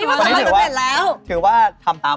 ดีก็สี่ไม่ลองสาม